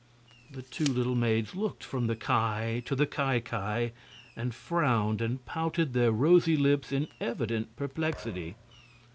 The two little maids looked from the Ki to the Ki Ki, and frowned and pouted their rosy lips in evident perplexity.